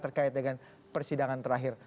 terkait dengan persidangan terakhir